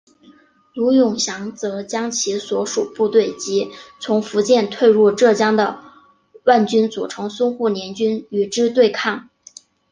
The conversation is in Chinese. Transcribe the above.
卢永祥则将其所属部队及从福建退入浙江的皖军组成淞沪联军与之对抗。